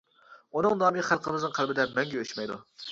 ئۇنىڭ نامى خەلقىمىزنىڭ قەلبىدىن مەڭگۈ ئۆچمەيدۇ!